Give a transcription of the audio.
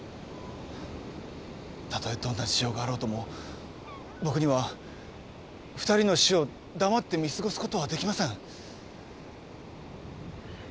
たとえどんな事情があろうとも僕には２人の死を黙って見過ごすことはできません。